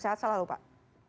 sehat selalu pak